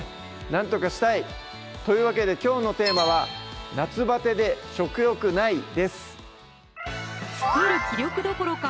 なんとかしたい！というわけできょうのテーマは「夏バテで食欲ない」です